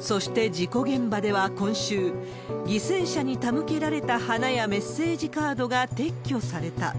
そして、事故現場では今週、犠牲者に手向けられた花やメッセージカードが撤去された。